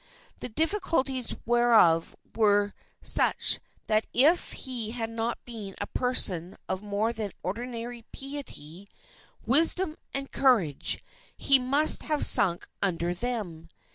The difficulties whereof were such that if he had not been a person of more than ordinary piety, wisdom, and courage, he must have sunk under them."